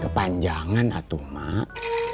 kepanjangan atuh mak